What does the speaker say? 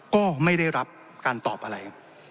ก็ไม่ได้รับการตอบอะไร